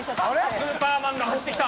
スーパーマンが走って来た！